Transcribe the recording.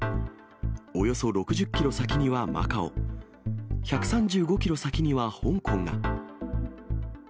およそ６０キロ先にはマカオ、１３５キロ先には香港が。